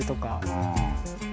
うん。